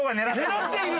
狙っている。